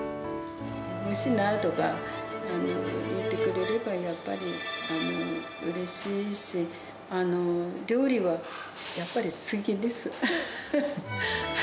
おいしいなとか言ってくれれば、やっぱりうれしいし、料理はやっぱり好きです。